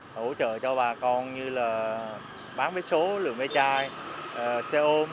hỗ trợ cho bà con như là bán vé số lượm vé chai xe ôm